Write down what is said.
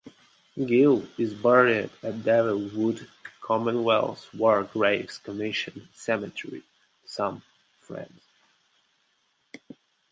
Gill is buried at Delville Wood Commonwealth War Graves Commission Cemetery, Somme, France.